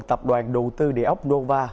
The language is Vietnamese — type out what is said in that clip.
tập đoàn đồ tư địa ốc nova